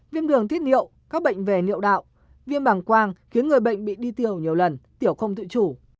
viêm đường tiết niệu các bệnh về niệm đạo viêm bàng quang khiến người bệnh bị đi tiểu nhiều lần tiểu không tự chủ